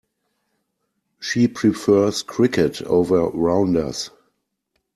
She prefers cricket over rounders.